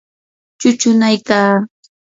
chuchunaykaa.